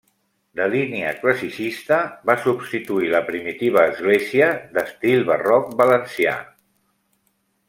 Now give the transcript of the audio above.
De línia classicista, va substituir la primitiva església, d'estil barroc valencià.